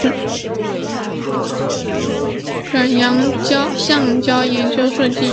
沈阳橡胶研究设计院全资拥有。